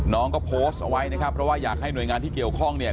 น้องก็โพสต์เอาไว้นะครับเพราะว่าอยากให้หน่วยงานที่เกี่ยวข้องเนี่ย